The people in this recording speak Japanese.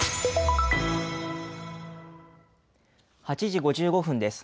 ８時５５分です。